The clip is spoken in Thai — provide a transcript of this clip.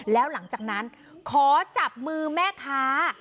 แล้วหลังจากนั้นขอจับมือแม่ค้า